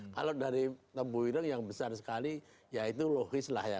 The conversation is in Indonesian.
kalau dari tembuirang yang besar sekali ya itu logis lah ya